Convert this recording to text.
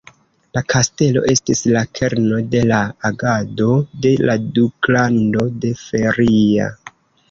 La kastelo estis la kerno de la agado de la Duklando de Feria.